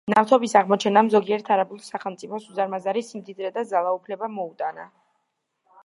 ნავთობის აღმოჩენამ ზოგიერთ არაბულ სახელმწიფოს უზარმაზარი სიმდიდრე და ძალაუფლება მოუტანა.